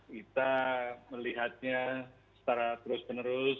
kita melihatnya secara terus menerus